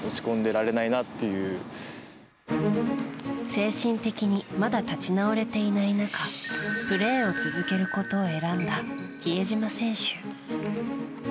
精神的にまだ立ち直れていない中プレーを続けることを選んだ比江島選手。